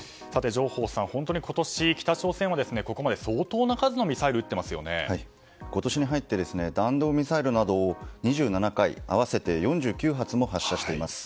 上法さん、本当に今年、北朝鮮はここまで相当な数の今年に入って弾道ミサイルなどを２７回合わせて４９発も発射しています。